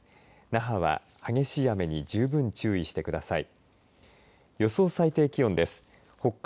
那覇は激しい雨に十分注意してください。